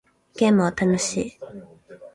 ゲームは楽しい